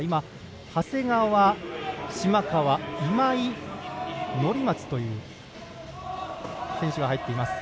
長谷川、島川、今井、乗松という選手が入っています。